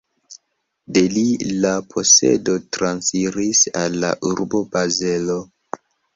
De li la posedo transiris al la urbo Bazelo.